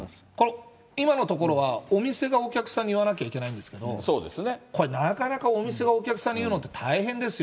今のところはお店がお客さんに言わなきゃいけないんですけど、これ、なかなかお店がお客さんに言うのって大変ですよ。